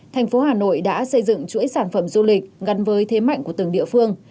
thành phố hà nội đã xây dựng chuỗi sản phẩm du lịch gắn với thế mạnh của từng địa phương